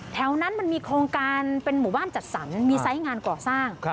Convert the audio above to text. แถวนั้นมันมีโครงการเป็นหมู่บ้านจัดสรรมีไซส์งานก่อสร้าง